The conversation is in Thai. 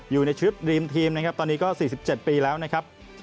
อยู่ในชุดรีมทีมนะครับตอนนี้ก็๔๗ปีแล้วนะครับ